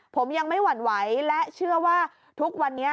ผมยังไม่หวั่นไหวและเชื่อว่าทุกวันนี้